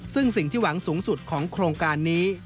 ซึ่งสิ่งที่หวังสูงสุดของโครงการนี้